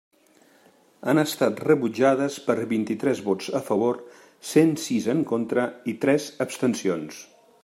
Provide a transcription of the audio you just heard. Han estat rebutjades per vint-i-tres vots a favor, cent sis en contra i tres abstencions.